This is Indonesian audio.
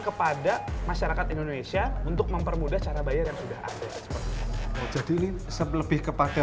kepada masyarakat indonesia untuk mempermudah cara bayar yang sudah ada jadi ini selebih kepada